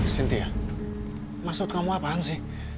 sintia maksud kamu apaan sih